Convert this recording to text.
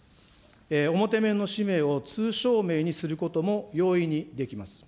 表面の氏名を通称名にすることも容易にできます。